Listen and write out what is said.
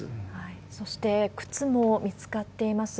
そして、靴も見つかっています。